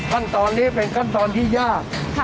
ขั้นตอนนี้เป็นขั้นตอนที่ยาก